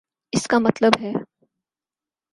اس کا مطلب ہے۔